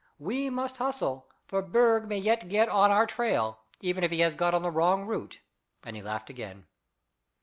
We must hustle, for Berg may yet get on our trail, even if he has got the wrong route," and he laughed again.